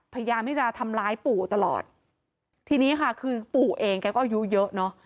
พยายามที่จะทำร้ายปู่ตลอดทีนี้ค่ะคือปู่เองแกก็อายุเยอะเนอะ